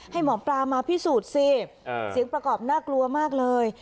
ให้หมอปลามาพิสูจน์สิเสียงประกอบน่ากลัวมากเลย